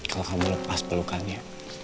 kalau kamu lepas pelukannya